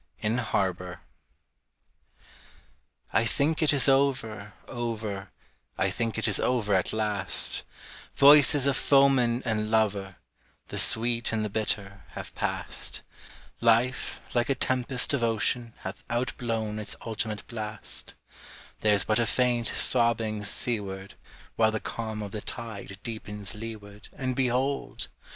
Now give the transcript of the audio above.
IN HARBOR. I think it is over, over, I think it is over at last: Voices of foemen and lover, The sweet and the bitter, have passed: Life, like a tempest of ocean Hath outblown its ultimate blast: There's but a faint sobbing seaward While the calm of the tide deepens leeward, And behold!